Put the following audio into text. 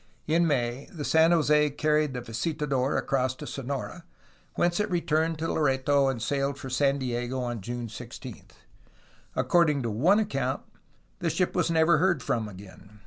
In May the San Jose carried the visitador across to Sonora, whence it returned to Loreto and sailed for San Diego on June 16. According to one account the ship was never heard of again.